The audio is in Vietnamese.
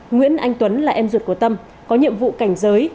nguyễn anh tuấn là em ruột của tâm có nhiệm vụ cảnh giới